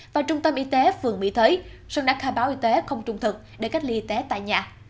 và trung tâm y tế phương mỹ thới sơn đã khai báo y tế không trung thực để cách ly y tế tại nhà